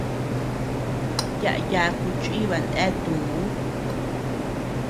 Yaʼa yaku chiba neatuu.